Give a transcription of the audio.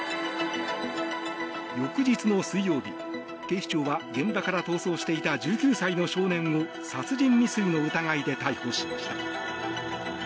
翌日の水曜日警視庁は、現場から逃走していた１９歳の少年を殺人未遂の疑いで逮捕しました。